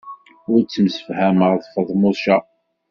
Ur ttemsefhameɣ ed Feḍmuca.